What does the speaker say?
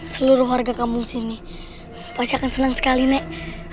seluruh warga kampung sini pasti akan senang sekali nek